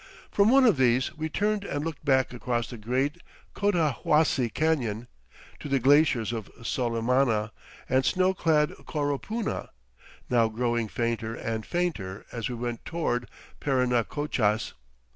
From one of these we turned and looked back across the great Cotahuasi Canyon, to the glaciers of Solimana and snow clad Coropuna, now growing fainter and fainter as we went toward Parinacochas.